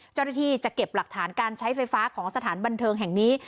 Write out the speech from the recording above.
เจ้าหน้าที่จะเก็บหลักฐานการใช้ไฟฟ้าของสถานบันเทิงแห่งนี้